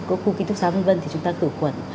có khu ký túc xá vân vân thì chúng ta khử khuẩn